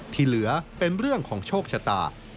ที่เหลือเป็นเรื่องของโชคชะตา